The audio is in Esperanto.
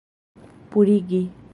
purigi